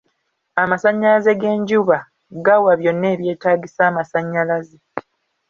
Amasannyalaze g'enjuba gawa byonna ebyetaagisa amasannyalaze.